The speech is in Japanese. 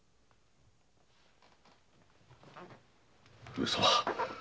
上様！